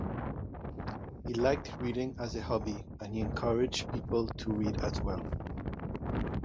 He liked reading as a hobby and he encouraged people to read as well.